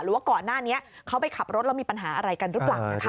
ว่าก่อนหน้านี้เขาไปขับรถแล้วมีปัญหาอะไรกันหรือเปล่านะคะ